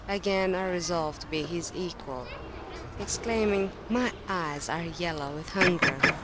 Again I resolved to be his equal. Exclaiming, My eyes are yellow with hunger!